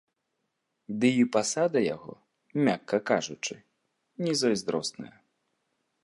Ды і пасада яго, мякка кажучы, не зайздросная.